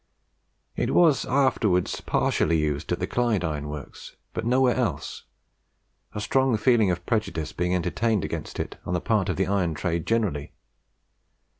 It was afterwards partially used at the Clyde Iron Works, but nowhere else, a strong feeling of prejudice being entertained against it on the part of the iron trade generally.